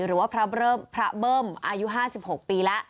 หรือพระเบิ่มอายุ๕๖ปี